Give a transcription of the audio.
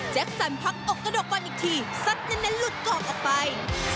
แจ็คสันพักอกกระดอกกอนอีกทีซัดนั้นลูกกอกออกไป